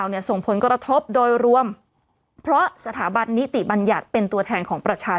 ฮ่าฮ่าฮ่าฮ่าฮ่า